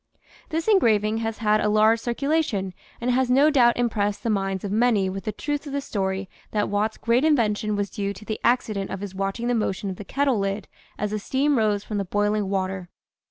This engraving has had a large circulation and has no doubt impressed the minds of many with the truth of the story that Watt's great invention was due to the accident of his watching the motion of the kettle lid as the steam rose from the boiling water.